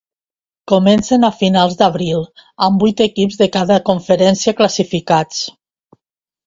Comencen a finals d'abril, amb vuit equips de cada conferència classificats.